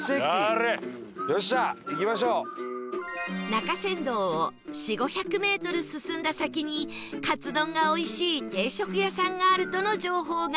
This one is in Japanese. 中山道を４００５００メートル進んだ先にカツ丼がおいしい定食屋さんがあるとの情報が